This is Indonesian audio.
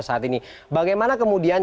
saat ini bagaimana kemudian